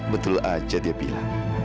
betul aja dia bilang